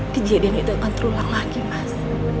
kejadian itu akan terulang lagi mas